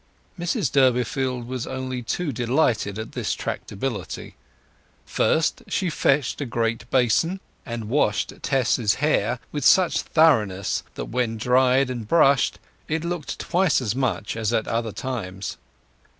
Mrs Durbeyfield was only too delighted at this tractability. First she fetched a great basin, and washed Tess's hair with such thoroughness that when dried and brushed it looked twice as much as at other times.